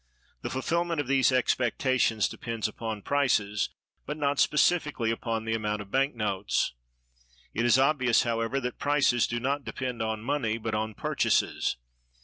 The fulfillment of these expectations depends upon prices, but not specially upon the amount of bank notes. It is obvious, however, that prices do not depend on money, but on purchases.